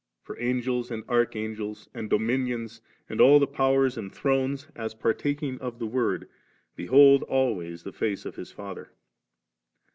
For Angels, and Archangels, and Dominions, and all the Powers, and Thrones, as partaking the Word, behold always the face of His Father.